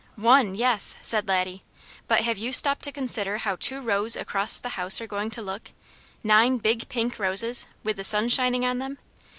"One! Yes!" said Laddie. "But have you stopped to consider how two rows across the house are going to look? Nine big pink roses, with the sun shining on them!